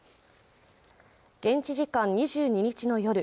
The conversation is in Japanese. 現地時間２２日の夜